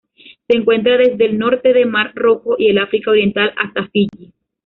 Se encuentra desde el norte del Mar Rojo y el África Oriental hasta Fiyi.